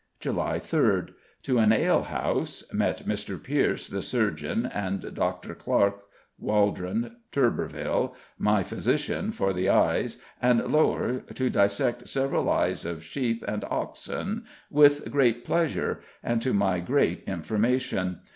July 3rd: To an alehouse; met Mr. Pierce, the surgeon, and Dr. Clarke, Waldron, Turberville, my physician for the eyes, and Lowre, to dissect several eyes of sheep and oxen, with great pleasure, and to my great information.